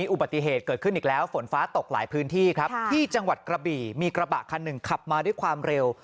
อุบัติเหตุเกิดขึ้นอีกแล้วฝนฟ้าตกหลายพื้นที่ครับที่จังหวัดกระบี่มีกระบะคันหนึ่งขับมาด้วยความเร็ว